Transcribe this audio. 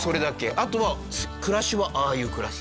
あとは暮らしはああいう暮らし。